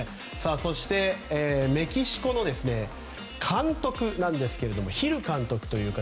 そしてメキシコの監督ですがヒル監督という方。